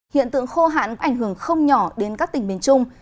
hiện tượng khô hạn ảnh hưởng không nhỏ đến các tỉnh miền trung